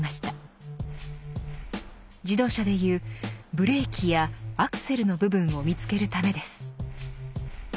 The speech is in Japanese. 自動車でいうブレーキやアクセルの部分を見つけるためです。